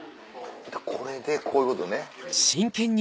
これでこういうことね。